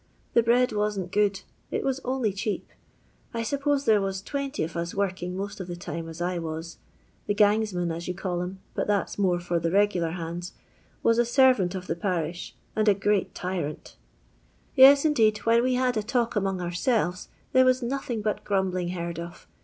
The bread wasn't good; it was only cheap. I suppose there was 20 of us working most of the times as I was. The gangsman, as you call him, but that 's more for the regular hands, waa a aervant of the parish, and a great tyrant LONDON LABOUR AND THB LONDON POOR. 249 Ym^ ixideed, when we bad a talk among ounelTeB, lliefs was nothisg but grnmbling beard of.